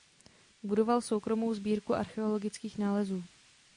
Budoval soukromou sbírku archeologických nálezů.